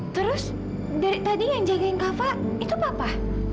terus dari tadi yang jagain kava itu papa